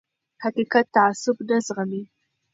حقیقت تعصب نه زغمي